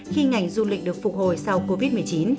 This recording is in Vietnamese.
khi ngành du lịch được phục hồi sau covid một mươi chín